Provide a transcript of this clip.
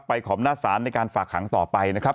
ขอบหน้าศาลในการฝากหางต่อไปนะครับ